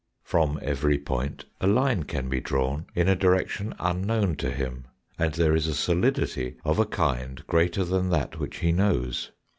From every point a line can be drawn in a direction unknown to him, and there is a solidity of a kind greater than that which he knows.